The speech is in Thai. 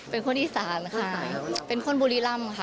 เป็นคนอีสานค่ะเป็นคนบุรีรำค่ะ